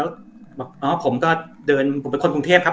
แล้วบอกอ๋อผมก็เดินผมเป็นคนกรุงเทพครับ